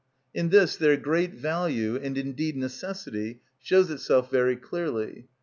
In this their great value and indeed necessity shows itself very clearly.